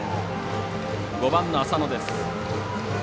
５番の浅野です。